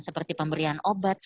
seperti pemberian obat